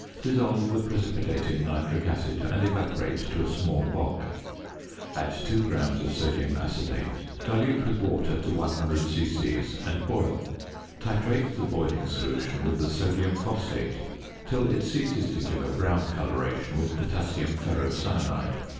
Dissolve the precipitate in nitric acid and evaporate to a small bulk, add 2 grams of sodium acetate, dilute with water to 100 c.c., and boil. Titrate the boiling solution with the sodium phosphate till it ceases to give a brown colouration with potassium ferrocyanide.